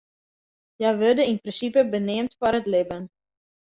Hja wurde yn prinsipe beneamd foar it libben.